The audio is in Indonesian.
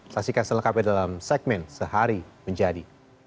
saksikan selengkapnya dalam segmen sehari menjadi